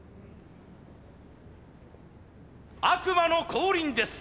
悪魔の降臨です！